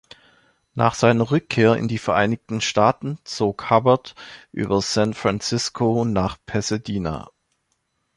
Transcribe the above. Nach seiner Rückkehr in die Vereinigten Staaten zog Hubbard über San Francisco nach Pasadena.